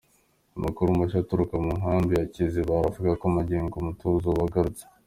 Amakuru mashya aturuka mu nkambi ya Kiziba aravuga ko magingo umutuzo wa garutse.